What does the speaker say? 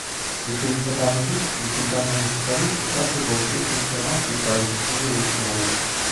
Вышэйзгаданы выступ легендарнага гітарыста трапіў ва ўсе хрэстаматыі па гісторыі рок-н-ролу.